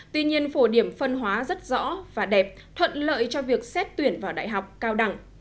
tuy nhiên phổ điểm phân hóa rất rõ và đẹp thuận lợi cho việc xét tuyển vào đại học cao đẳng